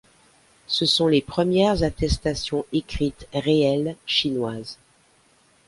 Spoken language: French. Ce sont les premières attestations écrites réelles chinoises.